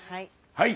はい！